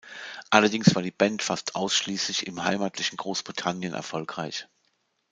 Allerdings war die Band fast ausschließlich im heimatlichen Großbritannien erfolgreich.